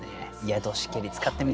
「宿しけり」使ってみたいな。